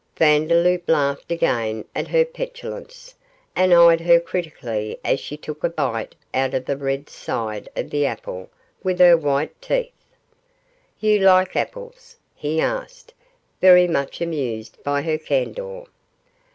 Vandeloup laughed again at her petulance, and eyed her critically as she took a bit out of the red side of the apple with her white teeth. 'You like apples?' he asked, very much amused by her candour.